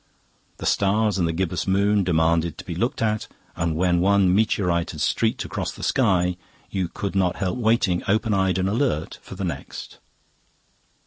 The stars and the gibbous moon demanded to be looked at, and when one meteorite had streaked across the sky, you could not help waiting, open eyed and alert, for the next.